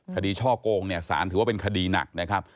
ช่อโกงเนี่ยสารถือว่าเป็นคดีหนักนะครับ